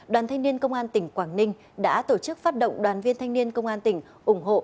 đoàn thanh niên công an tỉnh quảng ninh đã tổ chức phát động đoàn viên thanh niên công an tỉnh ủng hộ